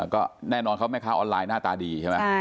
ก็แน่นอนเขาแม่ค้าออนไลน์หน้าตาดีใช่ไหม